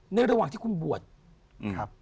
ในระหว่างที่คุณบวช